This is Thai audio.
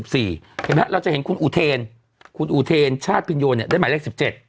เห็นไหมครับเราจะเห็นคุณอุเทนคุณอุเทนชาติพินโยได้หมายเลข๑๗